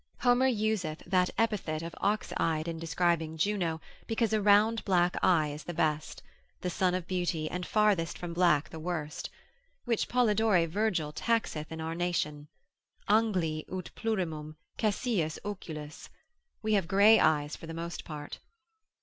Homer useth that epithet of ox eyed, in describing Juno, because a round black eye is the best, the son of beauty, and farthest from black the worse: which Polydore Virgil taxeth in our nation: Angli ut plurimum caesiis oculis, we have grey eyes for the most part.